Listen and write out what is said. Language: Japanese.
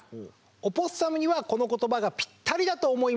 オポッサムにはこの言葉がぴったりだと思いました。